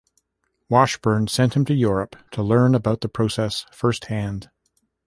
Washburn sent him to Europe to learn about the process firsthand.